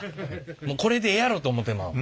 もうこれでええやろと思ってまう。